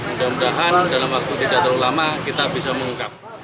mudah mudahan dalam waktu tidak terlalu lama kita bisa mengungkap